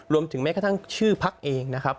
รวมถึงแม้กระทั่งชื่อภาคเองนะครับ